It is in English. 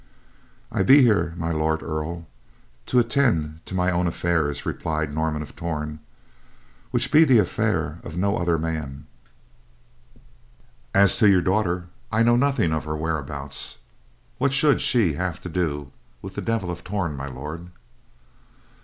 "I be here, My Lord Earl, to attend to mine own affairs," replied Norman of Torn, "which be the affair of no other man. As to your daughter: I know nothing of her whereabouts. What should she have to do with the Devil of Torn, My Lord?"